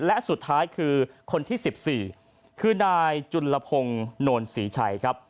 และสุดท้ายคือคนที่๑๔คือนายจุลพงศ์โนนศรีชัยครับ